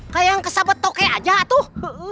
kayak yang kesabet toke aja tuh